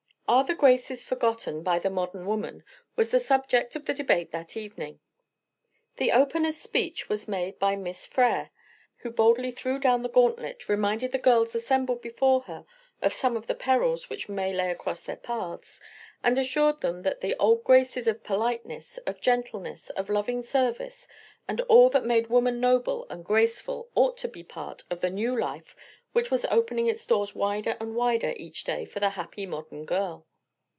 "Are the graces forgotten by the modern woman?" was the subject of the debate that evening. The opener's speech was made by Miss Frere, who boldly threw down the gauntlet, reminded the girls assembled before her of some of the perils which lay across their paths, and assured them that the old graces of politeness, of gentleness, of loving service, of all that made woman noble and graceful ought to be part of the new life which was opening its doors wider and wider each day for the happy modern girl.